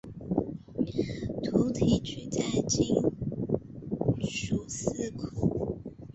徙提举在京诸司库务。